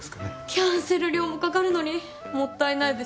キャンセル料もかかるのにもったいないです。